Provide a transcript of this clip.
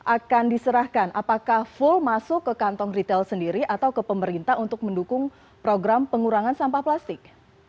akan diserahkan apakah full masuk ke kantong retail sendiri atau ke pemerintah untuk mendukung program pengurangan sampah plastik